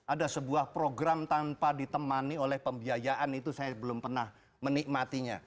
ada sebuah program tanpa ditemani oleh pembiayaan itu saya belum pernah menikmatinya